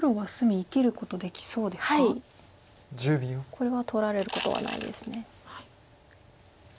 これは取られることはないです。